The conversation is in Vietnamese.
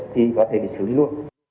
thì có thể bị xử lý luôn